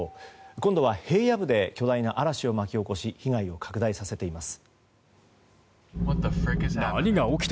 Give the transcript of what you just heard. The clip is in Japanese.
今度は平野部で巨大な嵐を巻き起こし被害を拡大させています。